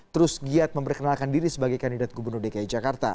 terus giat memperkenalkan diri sebagai kandidat gubernur dki jakarta